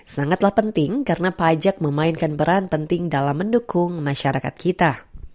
sangatlah penting karena pajak memainkan peran penting dalam mendukung masyarakat kita